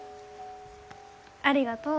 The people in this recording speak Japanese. ありがとう。